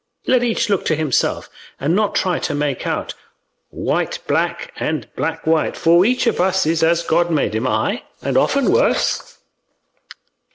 Let each look to himself and not try to make out white black, and black white; for each of us is as God made him, aye, and often worse."